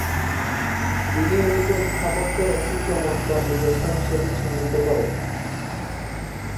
তিনি এটিকে স্থাপত্যের একটি চমৎকার নিদর্শন হিসেবে চিহ্নিত করেন।